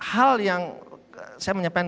hal yang saya menyampaikan